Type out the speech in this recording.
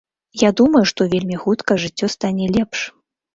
Я думаю, што вельмі хутка жыццё стане лепш.